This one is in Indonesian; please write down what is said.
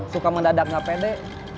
suka mendadak gak pede